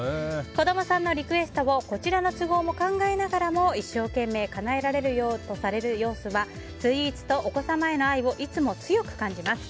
子供さんのリクエストをこちらの都合も考えながらも一生懸命かなえられようとされる様子はスイーツとお子様への愛をいつも強く感じます。